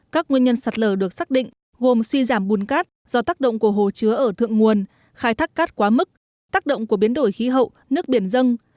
các nguyên nhân sạt lở được xác định gồm suy giảm bùn cát do tác động của hồ chứa ở thượng nguồn khai thác cát quá mức tác động của biến đổi khí hậu nước biển dân